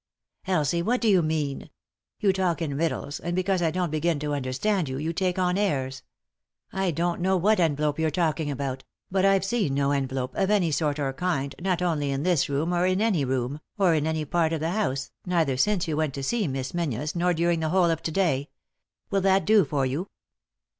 " Elsie, what do you mean ? You talk in riddles, and because I don't begin to understand you, you take on airs, I don't know what envelope you're talk ing about ; but I've seen no envelope, of any sort or kind, not only in this room, or in any room, or in any part of the house, neither since you went to see Miss Menzies nor during the whole of to day. Will that do for you